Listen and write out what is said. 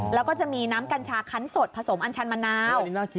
แล้วก็จะมีน้ำกัญชาคันสดผสมอัญชันมะนาว